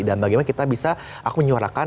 dan bagaimana kita bisa aku menyuarakan